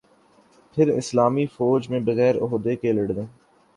پھر اسلامی فوج میں بغیر عہدہ کے لڑے